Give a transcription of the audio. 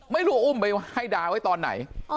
ไม่รู้อุ้มไปให้ดาไว้ตอนไหน